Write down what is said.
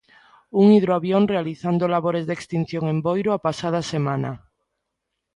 Un hidroavión realizando labores de extinción en Boiro a pasada semana.